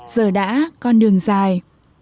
giờ đã con đường dài